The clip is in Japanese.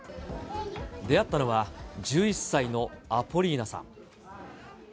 出会ったのは１１歳のアポリーナさん。